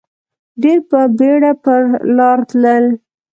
ډېر په بېړه به پر لار تلل.